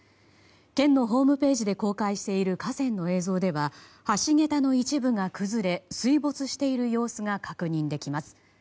県のホームページで公開している河川の映像では橋桁の一部が崩れ水没している様子が確認できます。